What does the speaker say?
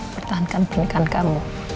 bertahankan pendidikan kamu